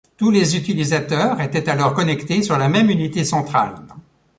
Tous les utilisateurs étaient alors connectés sur la même unité centrale.